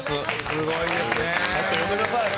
すごいですね。